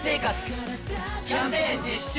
キャンペーン実施中！